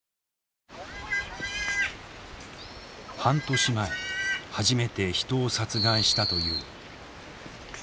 半年前初めて人を殺害したという。